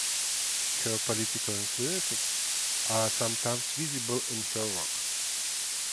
Her political influences are sometimes visible in her work.